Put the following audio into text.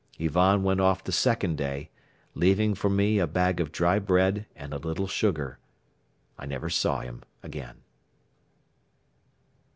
Ivan went off the second day, leaving for me a bag of dry bread and a little sugar. I never saw him again.